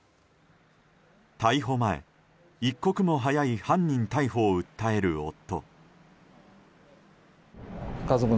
逮捕前、一刻も早い犯人逮捕を訴える夫。